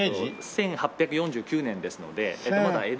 １８４９年ですのでまだ江戸時代。